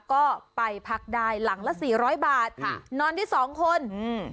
ก็ไปพักได้หลังละ๔๐๐บาทค่ะนอนที่สองคนอืม